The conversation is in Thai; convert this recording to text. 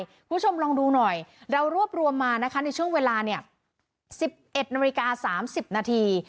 คุณผู้ชมลองดูหน่อยเรารวบรวมมานะคะในช่วงเวลาเนี่ย๑๑นาฬิกา๓๐นาที